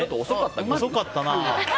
遅かったな。